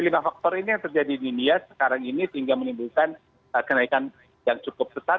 lima faktor ini yang terjadi di india sekarang ini sehingga menimbulkan kenaikan yang cukup sesat